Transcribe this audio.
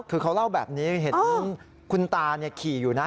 คือเขาเล่าแบบนี้เห็นคุณตาขี่อยู่นะ